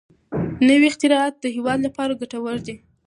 نوي اختراعات د هېواد لپاره ګټور دي.